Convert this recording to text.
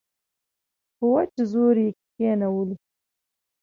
په وچ زور یې کښېنولو.